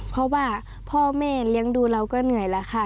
เพราะว่าพ่อแม่เลี้ยงดูเราก็เหนื่อยแล้วค่ะ